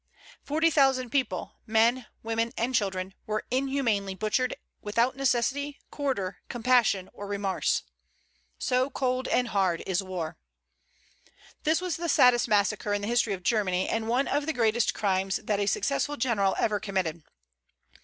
Forty thousand people men, women, and children were inhumanly butchered, without necessity, quarter, compassion, or remorse. So cold and hard is war! This was the saddest massacre in the history of Germany, and one of the greatest crimes that a successful general ever committed.